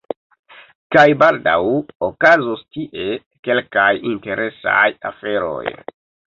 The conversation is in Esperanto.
Kaj baldaŭ okazos tie kelkaj interesaj aferoj.